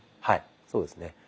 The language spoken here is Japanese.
はいそうですね。